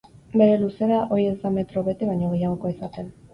Bere luzera, ohi ez da metro bete baino gehiagokoa izaten.